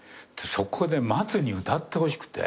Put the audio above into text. そこでマツに歌ってほしくて。